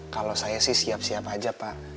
kalau saya sih siap siap aja pak